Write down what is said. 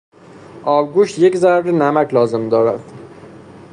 آبگوشت یک ذره نمک لازم دارد.